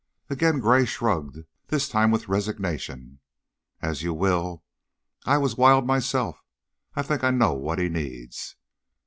Again Gray shrugged, this time with resignation. "As you will. I was wild, myself; I think I know what he needs."